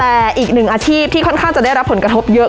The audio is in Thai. แต่อีกหนึ่งอาชีพที่ค่อนข้างจะได้รับผลกระทบเยอะ